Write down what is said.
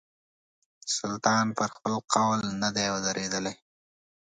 سلطان پر خپل قول نه دی درېدلی.